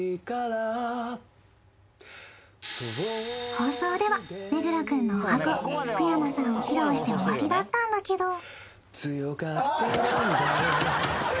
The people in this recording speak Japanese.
放送では目黒くんの十八番福山さんを披露して終わりだったんだけど強がってるんだよ